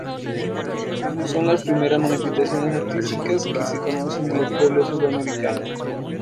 Son las primeras manifestaciones artísticas que se conocen de los pueblos sudamericanos.